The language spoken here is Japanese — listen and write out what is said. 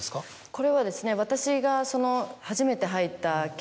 これはですね私が。